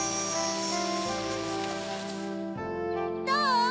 どう？